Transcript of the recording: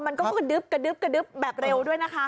มันก็กระดึ๊บแบบเร็วด้วยนะคะ